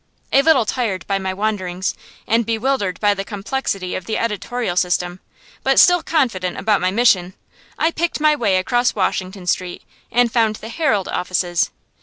A little tired by my wanderings, and bewildered by the complexity of the editorial system, but still confident about my mission, I picked my way across Washington Street and found the "Herald" offices.